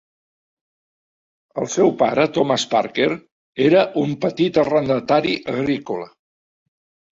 El seu pare, Thomas Parkes, era un petit arrendatari agrícola.